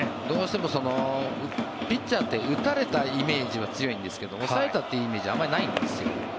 どうしてもピッチャーって打たれたイメージって強いんですけど抑えたイメージってないんですよ。